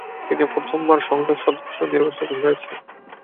তিনি প্রথমবার সংসদ সদস্য নির্বাচিত হয়েছেন।